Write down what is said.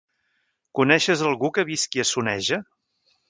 Coneixes algú que visqui a Soneja?